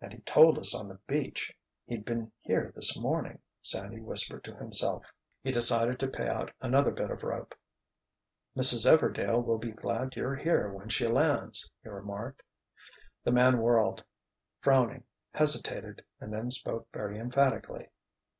"And he told us, on the beach, he'd been here this morning," Sandy whispered to himself. He decided to pay out another bit of rope. "Mrs. Everdail will be glad you're here when she lands," he remarked. The man whirled, frowning, hesitated and then spoke very emphatically.